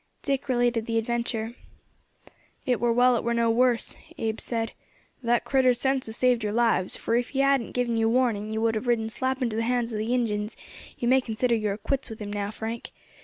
Dick related the adventure. "It war well it war no worse," Abe said. "That critter's sense has saved your lives, for ef he hadn't given you warning you would have ridden slap into the hands of the Injins; you may consider you are quits with him now, Frank.